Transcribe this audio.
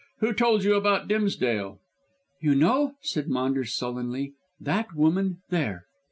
Who told you about Dimsdale?" "You know," said Maunders sullenly, "that woman there."